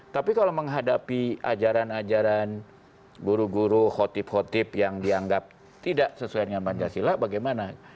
tapi kalau menghadapi ajaran ajaran guru guru hotib khotib yang dianggap tidak sesuai dengan pancasila bagaimana